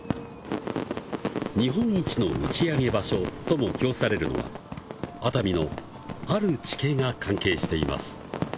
日本一の打ち上げ場所とも評されるのは、熱海のある地形が関係しています。